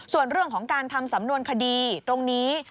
ส่วนเรื่องของการทำสำนวนคดีตรงนี้